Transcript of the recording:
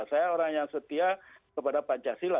saya orang yang setia kepada pancasila